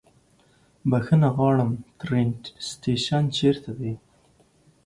بښنه غواړم، د ټرين سټيشن چيرته ده؟